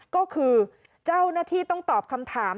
ก็คือเจ้าหน้าที่ต้องตอบคำถาม